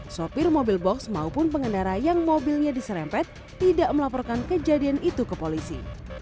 sopir mobil box maupun pengendara yang mobilnya diserempet tidak melaporkan kejadian itu ke polisi